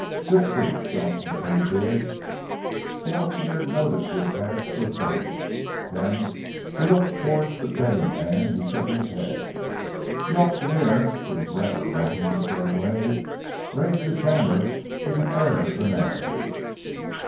"Sixty," Jocelyn Thew bid. The auctioneer noted the advance with thanks. Then he looked towards the betting man, who shook his head. The auctioneer, who was rather wanting to get away, raised his hammer with an air of finality.